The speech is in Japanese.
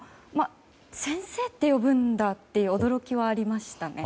先生って呼ぶんだっていう驚きはありましたね。